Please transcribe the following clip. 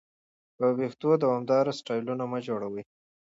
پر وېښتو دوامداره سټایلونه مه جوړوئ.